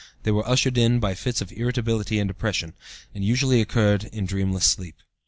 They were ushered in by fits of irritability and depression, and usually occurred in dreamless sleep.